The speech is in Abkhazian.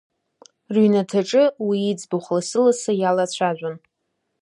Рыҩнаҭаҿы уи иӡбахә лассылассы иалацәажәон.